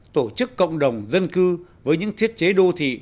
tổ chức cộng đồng dân cư với những thiết chế đô thị